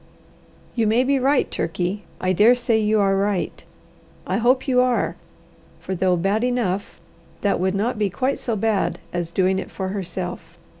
"You may be right, Turkey I dare say you are right. I hope you are, for though bad enough, that would not be quite so bad as doing it for herself."